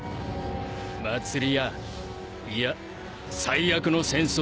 祭り屋いや最悪の戦争